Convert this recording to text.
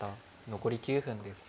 残り９分です。